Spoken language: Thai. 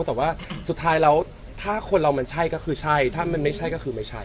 แต่ว่าสุดท้ายแล้วถ้าคนเรามันใช่ก็คือใช่ถ้ามันไม่ใช่ก็คือไม่ใช่